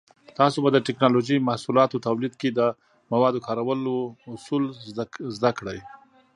تاسو به د ټېکنالوجۍ محصولاتو تولید کې د موادو کارولو اصول زده کړئ.